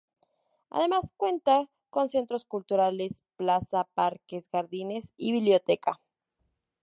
Además cuenta con centro culturales, plaza, parques, jardines y biblioteca.